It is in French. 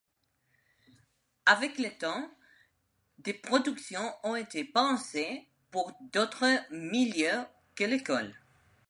Avec le temps, des productions ont été pensées pour d'autres milieux que l'école.